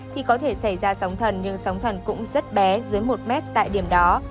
thì có thể xảy ra sóng thần nhưng sóng thần cũng rất bé dưới một mét tại điểm đó